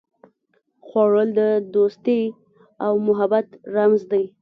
خوړل د دوستي او محبت رمز دی